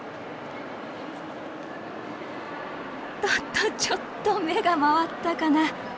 とっとちょっと目が回ったかな。